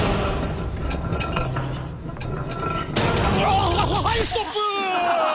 ああはいストップ！